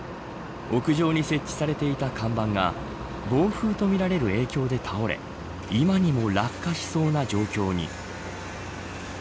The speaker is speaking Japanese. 屋上に設置されていた看板が暴風とみられる影響で倒れ今にも落下しそうな状況に。